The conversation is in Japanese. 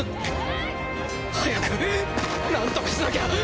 早くなんとかしなきゃ！